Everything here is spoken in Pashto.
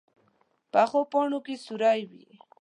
پخو پاڼو کې سیوری وي